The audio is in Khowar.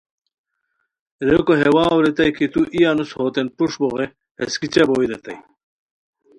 ریکو ہے واؤ ریتائے کی تو ای انوس ہوتین پروشٹ موبوغے ہیس کیچہ بوئے ریتائے